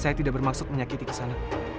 saya tidak bermaksud menyakiti kesana